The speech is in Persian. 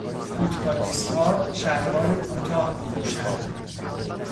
فوتبالیستها شلوار کوتاه میپوشند.